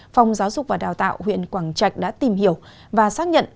phòng giáo dục và đào tạo huyện quảng trạch đã tìm hiểu và xác nhận